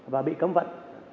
và bị cấm vận